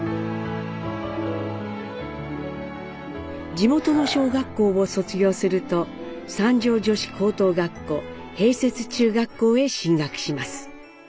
地元の小学校を卒業すると三条女子高等学校併設中学校へ進学します。